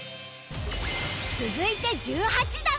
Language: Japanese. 続いて１８段